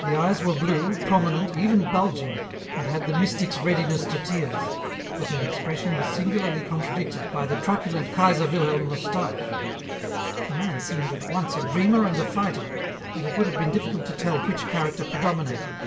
The eyes were blue, prominent, even bulging, and had the mystic's readiness to tears, but their expression was singularly contradicted by the truculent Kaiser Wilhelm moustache. The man seemed at once a dreamer and a fighter, and it would have been difficult to tell which character predominated.